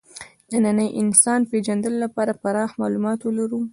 د ننني انسان پېژندلو لپاره پراخ معلومات ولرو.